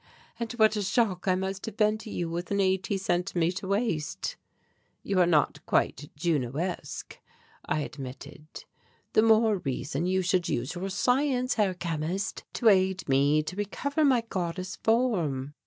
And what a shock I must have been to you with an eighty centimetre waist." "You are not quite Junoesque," I admitted. "The more reason you should use your science, Herr Chemist, to aid me to recover my goddess form."